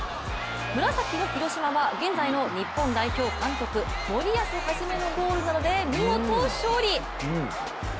紫の広島は現在の日本代表監督、森保一のゴールなどで見事勝利。